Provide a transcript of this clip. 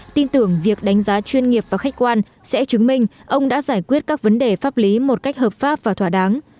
tin tưởng việc đánh giá chuyên nghiệp và khách quan sẽ chứng minh ông đã giải quyết các vấn đề pháp lý một cách hợp pháp và thỏa đáng